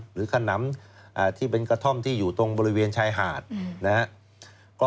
ขนำที่เป็นกระท่อมที่อยู่ตรงบริเวณชายหาดนะครับ